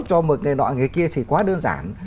cho một người nọ người kia thì quá đơn giản